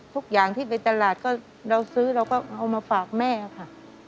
ทุกอย่างที่เป็นตลาดก็เราซื้อเราก็เอามาฝากแม่ค่ะ